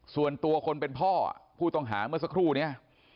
ส่วนตัวคนเป็นพ่อผู้ต้องหาเมื่อสักครู่นี้